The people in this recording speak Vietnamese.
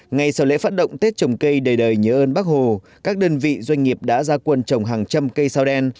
ngay sau lễ phát động tết trồng cây đời đời nhớ ơn bác hồ các đơn vị doanh nghiệp đã ra quân trồng hàng trăm cây sao đen